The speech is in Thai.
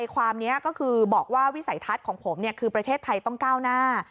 ความนี้ก็คือบอกว่าวิสัยทัศน์ของผมคือประเทศไทยต้องก้าวหน้า